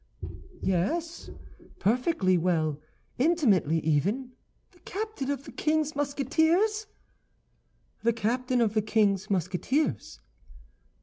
"Yes, perfectly well—intimately even." "The captain of the king's Musketeers?" "The captain of the king's Musketeers."